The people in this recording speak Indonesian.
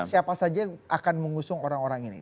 siapa saja yang akan mengusung orang orang ini